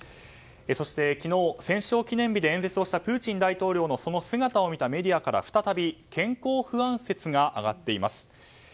そして、昨日、戦勝記念日で演説をしたプーチン大統領のその姿を見たメディアから再び健康不安説が上がっています。